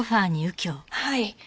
はい。